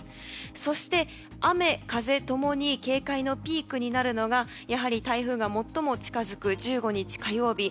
そして、雨風共に警戒のピークになるのがやはり台風が最も近づく１５日、火曜日。